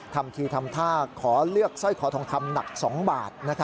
ทำทีทำท่าขอเลือกสร้อยคอทองคำหนัก๒บาท